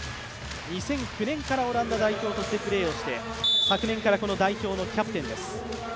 ２００９年からオランダ代表としてプレーをして昨年から代表のキャプテンです。